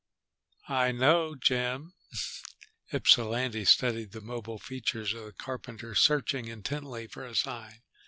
"I know, Jim." Ypsilanti studied the mobile features of the carpenter, searching intently for a sign.